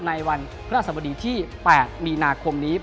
ในวันพระราชสมดีที่๘มีนาคมนี้